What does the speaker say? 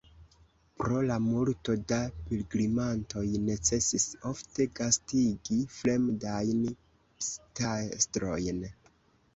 Pro la multo da pilgrimantoj necesis ofte gastigi fremdajn pstastrojn.